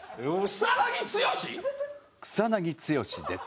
草草剛です。